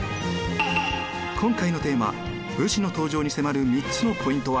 今回のテーマ「武士の登場」に迫る３つのポイントは。